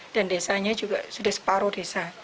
dan desanya juga sudah separuh